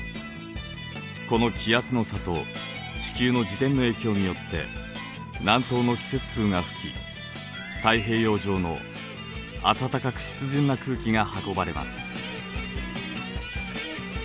この気圧の差と地球の自転の影響によって南東の季節風が吹き太平洋上の暖かく湿潤な空気が運ばれます。